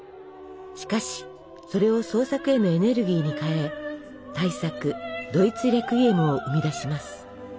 しかしそれを創作へのエネルギーに変え大作「ドイツレクイエム」を生み出します。